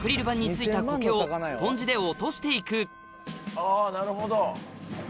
あなるほど。